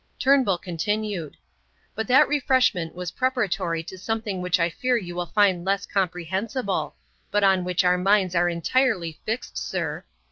Turnbull continued: "But that refreshment was preparatory to something which I fear you will find less comprehensible, but on which our minds are entirely fixed, sir.